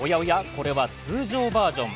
これは通常バージョン。